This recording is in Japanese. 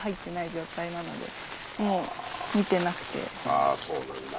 ああそうなんだ。